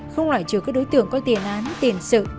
không loại trừ các đối tượng có tiền án tiền sự